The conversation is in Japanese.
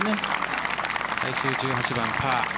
最終１８番、パー。